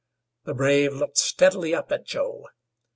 The brave looked steadily up at Joe.